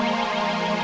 om juga gak peduli